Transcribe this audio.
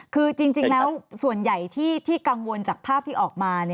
คือจริงแล้วส่วนใหญ่ที่กังวลจากภาพที่ออกมา